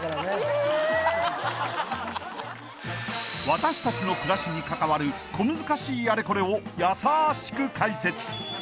私達の暮らしに関わる小難しいあれこれをやさしく解説